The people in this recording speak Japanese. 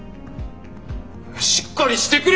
しっかりしてくれよ！